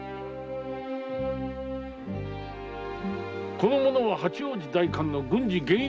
この者は八王子代官の郡司源一郎。